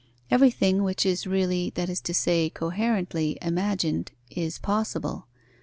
Everything which is really, that is to say, coherently, imagined, is possible.